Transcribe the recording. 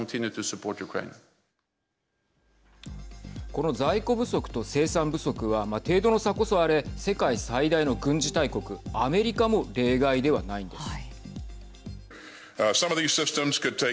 この在庫不足と生産不足は程度の差こそあれ世界最大の軍事大国アメリカも例外ではないんです。